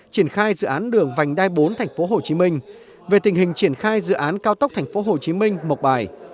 triển khai dự án đường vành đai bốn tp hcm về tình hình triển khai dự án cao tốc tp hcm một bài